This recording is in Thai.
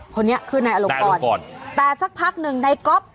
คนนี้คือนายอลงกรแต่สักพักหนึ่งนายก๊อฟ